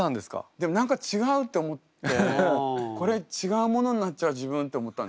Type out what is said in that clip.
でも何か違うって思って「これ違うものになっちゃう自分」って思ったの。